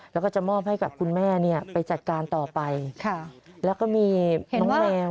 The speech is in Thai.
แล้วก็จะมอบให้กับคุณแม่เนี่ยไปจัดการต่อไปแล้วก็มีน้องแมว